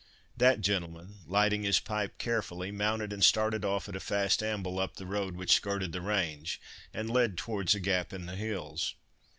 That gentleman, lighting his pipe carefully, mounted and started off at a fast amble up the road which skirted the range, and led towards a gap in the hills.